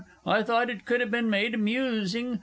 I thought it could have been made amusing.